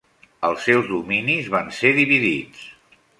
Els seus dominis van ser dividits.